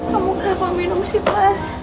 kamu kenapa minum sih mas